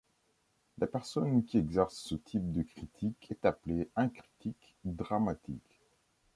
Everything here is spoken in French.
La personne qui exerce ce type de critique est appelé un critique dramatique.